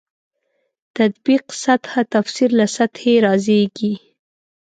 تطبیق سطح تفسیر له سطحې رازېږي.